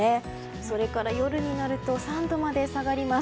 それから夜になると３度まで下がります。